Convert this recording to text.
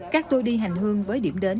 các tour đi hành hương với điểm đến